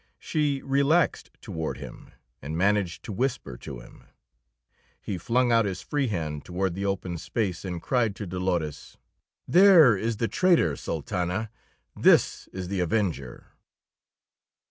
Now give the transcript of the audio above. She relaxed toward him, and managed to whisper to him. He flung out his free hand toward the open space, and cried to Dolores: "There is the traitor, Sultana! This is the avenger."